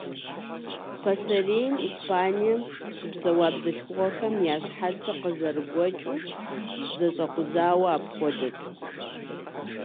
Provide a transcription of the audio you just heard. Пасэрейм Испанием щыпсэуа бзылъхугъэхэм я щхьэцыр къызэрыгуэкӀыу, зэщӀэкъузауэ апхуэдэт.